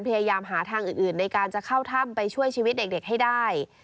พยายามหาทางอื่นในการจะเข้าถ้ำไปช่วยชีวิตเด็กให้ได้